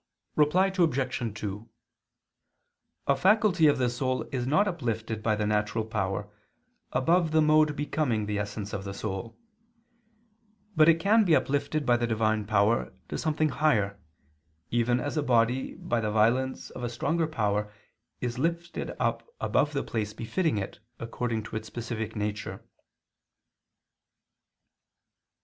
Reply Obj. 2: A faculty of the soul is not uplifted by the natural power above the mode becoming the essence of the soul; but it can be uplifted by the divine power to something higher, even as a body by the violence of a stronger power is lifted up above the place befitting it according to its specific nature.